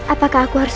apakah aku harus